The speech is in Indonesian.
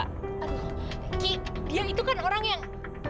ki dia itu kan orang yang